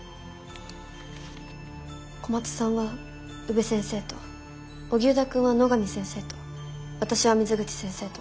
小松さんは宇部先生と荻生田くんは野上先生と私は水口先生と。